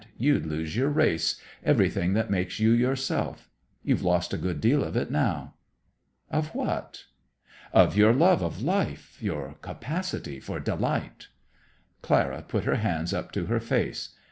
You'd lose your race, everything that makes you yourself. You've lost a good deal of it now." "Of what?" "Of your love of life, your capacity for delight." Clara put her hands up to her face.